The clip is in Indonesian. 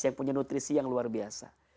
yang punya nutrisi yang luar biasa